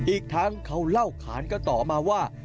อีกทั้งเขาเล่าขานก็ต่อมาว่า